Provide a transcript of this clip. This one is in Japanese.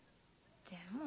でも。